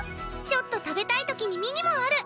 ちょっと食べたい時にミニもある！